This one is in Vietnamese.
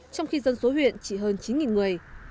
trong khi dân số huyện chỉ hơn chín người